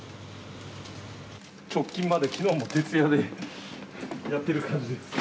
直近まで、きのうも徹夜でやってる感じです。